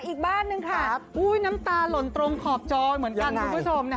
อีกบ้านหนึ่งค่ะน้ำตาหล่นตรงขอบจอเหมือนกันคุณผู้ชม